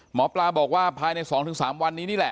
หมอปลาบอกว่าภายในสองถึงสามวันนี้นี่แหละ